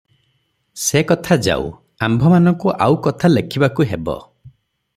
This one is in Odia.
ସେ କଥା ଯାଉ, ଆମ୍ଭମାନଙ୍କୁ ଆଉ କଥା ଲେଖିବାକୁ ହେବ ।